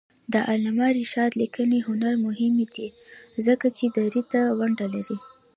د علامه رشاد لیکنی هنر مهم دی ځکه چې دري ته ونډه لري.